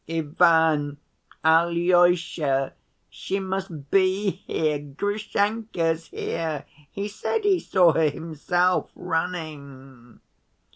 "Ivan! Alyosha! She must be here. Grushenka's here. He said he saw her himself, running."